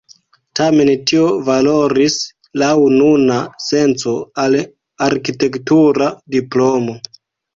Tamen tio valoris laŭ nuna senco al arkitektura diplomo.